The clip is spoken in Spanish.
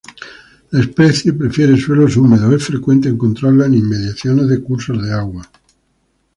La especie prefiere suelos húmedos, es frecuente encontrarla en inmediaciones de cursos de agua.